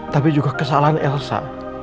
tapi juga kesalahan elsa